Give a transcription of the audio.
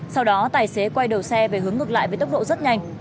sau đó tài xế quay đầu xe về hướng ngược lại với tốc độ rất nhanh